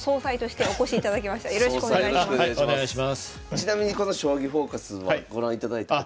ちなみにこの「将棋フォーカス」はご覧いただいたことは？